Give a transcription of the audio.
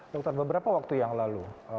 dokter beberapa waktu yang lalu